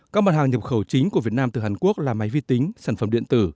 các mặt hàng nhập khẩu chính của việt nam từ hàn quốc là máy vi tính sản phẩm điện tử